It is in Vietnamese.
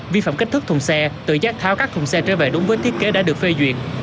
vi phạm kích thước thùng xe tự giác tháo các thùng xe trở về đúng với thiết kế đã được phê duyệt